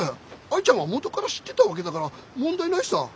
愛ちゃんはもとから知ってたわけだから問題ないさぁ。